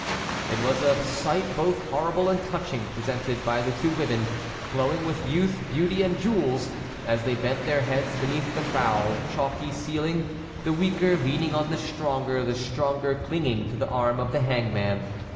It was a sight both horrible and touching presented by the two women, glowing with youth, beauty, and jewels, as they bent their heads beneath the foul, chalky ceiling, the weaker leaning on the stronger, the stronger clinging to the arm of the hangman.